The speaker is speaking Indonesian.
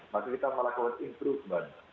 maksudnya kita melakukan improvement